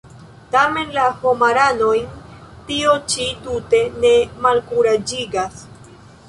Tamen la homaranojn tio ĉi tute ne malkuraĝigas.